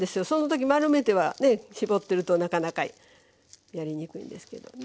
その時丸めては絞ってるとなかなかやりにくいんですけど。